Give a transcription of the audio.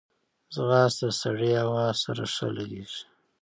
ځغاسته د سړې هوا سره ښه لګیږي